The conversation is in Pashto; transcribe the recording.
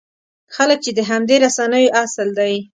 خلک چې د همدې رسنیو اصل دی.